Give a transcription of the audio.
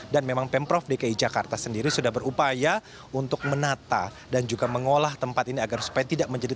dan memang pemprov dki jakarta sendiri sudah berupaya untuk menata dan juga mengolah tempat ini agar supaya tidak menjadi tempat yang tidak ada